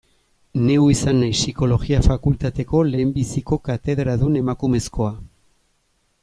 Neu izan naiz Psikologia fakultateko lehenbiziko katedradun emakumezkoa.